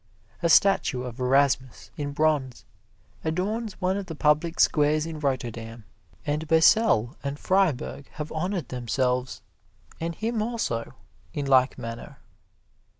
A statue of Erasmus in bronze adorns one of the public squares in Rotterdam, and Basel and Freiburg have honored themselves, and him also, in like manner.